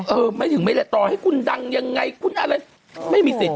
เออไม่ถึงไม่แหละต่อให้คุณดังยังไงคุณอะไรไม่มีสิทธิ